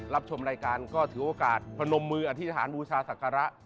ชมรายการก็ถือโอกาสพนมมืออธิษฐานบูชาศักระ